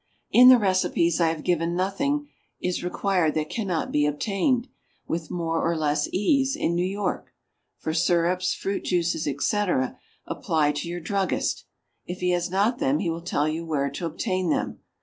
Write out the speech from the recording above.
In the recipes I have given nothing is required that cannot be obtained, with more or less ease, in New York. For syrups, fruit juices, etc., apply to your druggist; if he has not them he will tell you where to obtain them.